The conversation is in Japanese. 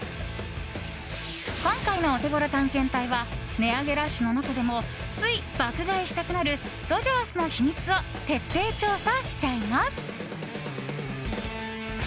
今回のオテゴロ探検隊は値上げラッシュの中でもつい爆買いしたくなるロヂャースの秘密を徹底調査しちゃいます。